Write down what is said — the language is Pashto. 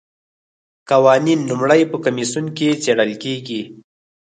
قوانین لومړی په کمیسیون کې څیړل کیږي.